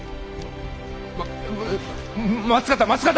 ま松方松方！